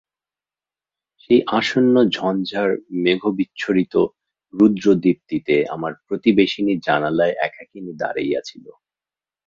সেই আসন্ন ঝঞ্ঝার মেঘবিচ্ছুরিত রুদ্রদীপ্তিতে আমার প্রতিবেশিনী জানালায় একাকিনী দাঁড়াইয়া ছিল।